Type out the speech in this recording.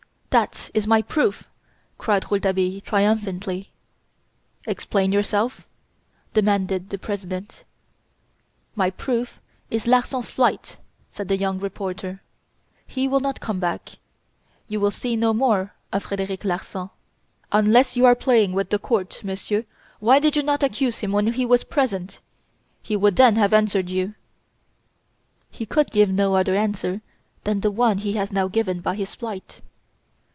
"That is my proof!" cried Rouletabille, triumphantly. "Explain yourself?" demanded the President. "My proof is Larsan's flight," said the young reporter. "He will not come back. You will see no more of Frederic Larsan." "Unless you are playing with the court, Monsieur, why did you not accuse him when he was present? He would then have answered you." "He could give no other answer than the one he has now given by his flight."